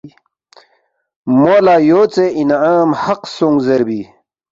مو لہ یوژے اِنعام حق سونگ زیربی